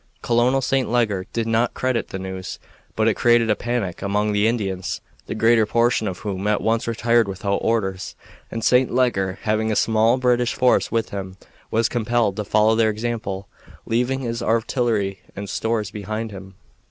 Colonel St. Leger did not credit the news, but it created a panic among the Indians, the greater portion of whom at once retired without orders, and St. Leger, having but a small British force with him, was compelled to follow their example, leaving his artillery and stores behind him.